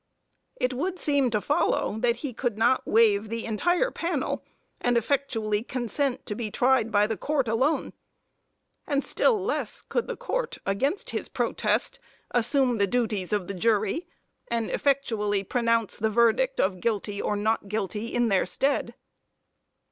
It would seem to follow that he could not waive the entire panel, and effectually consent to be tried by the Court alone, and still less could the Court, against his protest, assume the duties of the jury, and effectually pronounce the verdict of guilty or not guilty in their stead.